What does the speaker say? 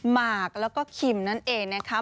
หมากแล้วก็คิมนั่นเองนะคะ